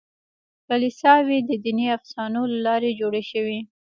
کلیساوې د دیني افسانو له لارې جوړې شوې.